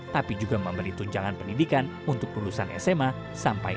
tapi juga memberi tunjangan pendidikan untuk lulusan sma sampai